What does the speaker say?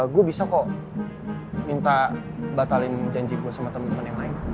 gue bisa kok minta batalin janji gue sama teman teman yang lain